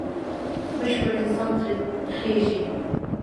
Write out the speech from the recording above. بشپړ انسان ترې خېژي.